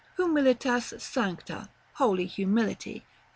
Humilitas sancta. Holy humility.